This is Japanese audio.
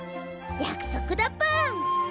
やくそくだぽん！